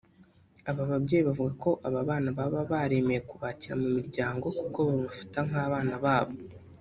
Aba babyeyi bavuga ko aba bana baba baremeye kubakira mu miryango kuko babafata nk’abana babo